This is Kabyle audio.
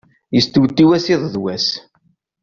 Yestewtiw-as iḍ d wass.